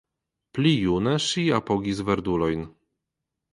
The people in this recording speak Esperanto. Pli june ŝi apogis verdulojn.